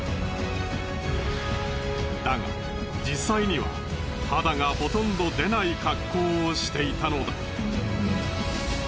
だが実際には肌がほとんど出ない格好をしていたのだ。